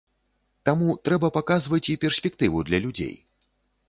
Таму трэба паказваць і перспектыву для людзей.